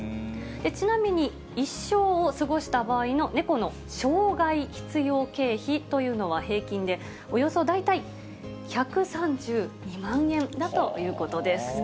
ちなみに一生を過ごした場合の猫の生涯必要経費というのは平均でおよそ大体１３２万円だということです。